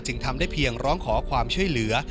ทำได้เพียงร้องขอความช่วยเหลือ